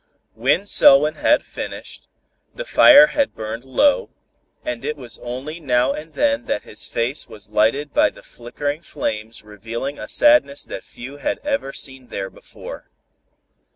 When Selwyn had finished, the fire had burned low, and it was only now and then that his face was lighted by the flickering flames revealing a sadness that few had ever seen there before.